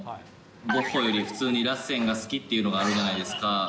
ゴッホより普通にラッセンが好きっていうのがあるじゃないですか。